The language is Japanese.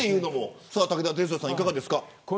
武田さん、いかがですか。